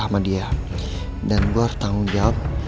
sama dia dan gue harus tanggung jawab